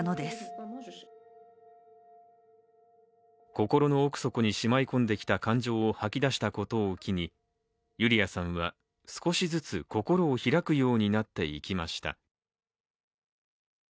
心の奥底にしまい込んできた感情を吐き出したことを機に、ユリアさんは少しずつ心を開くようになっていきました。